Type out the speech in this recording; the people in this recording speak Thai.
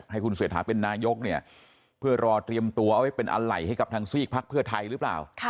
ให้คุณเศรษฐาเป็นนายกเนี่ยเพื่อรอเตรียมตัวเอาไว้เป็นอะไรให้กับทางซีกพักเพื่อไทยหรือเปล่า